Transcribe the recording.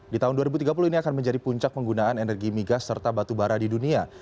di tahun dua ribu tiga puluh ini akan menjadi puncak penggunaan energi migas serta batu bara di dunia